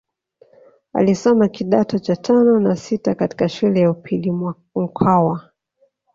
Alisoma kidato cha tano na sita katika shule ya upili mkwawa